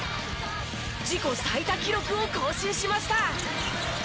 自己最多記録を更新しました。